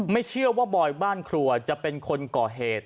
ไม่เชื่อว่าบอยบ้านครัวจะเป็นคนก่อเหตุ